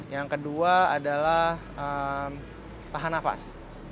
yang kedua adalah tahan nafas